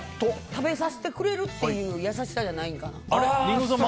食べさせてくれるっていう優しさじゃないのかな？